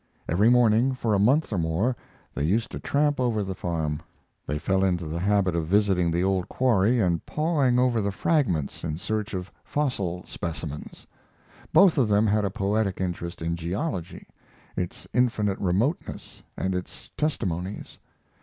Every morning, for a month or more, they used to tramp over the farm. They fell into the habit of visiting the old quarry and pawing over the fragments in search of fossil specimens. Both of them had a poetic interest in geology, its infinite remotenesses and its testimonies.